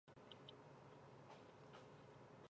胡锦鸟。